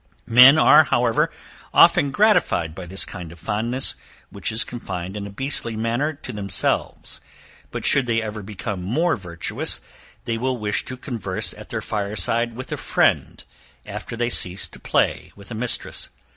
Men, are however, often gratified by this kind of fondness which is confined in a beastly manner to themselves, but should they ever become more virtuous, they will wish to converse at their fire side with a friend, after they cease to play with a mistress.